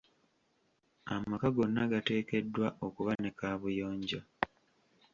Amaka gonna gateekeddwa okuba ne kaabuyonjo.